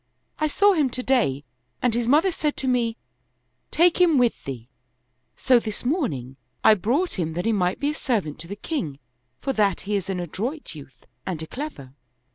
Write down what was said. I saw him to day and his mother said to me, ' Take him with thee ': so 77 Oriental Mystery Stories this morning I brought him that he might be a servant to the king, for that he is an adroit youth and a clever."